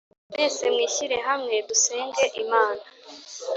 Mwese mwishyire hamwe dusenge imana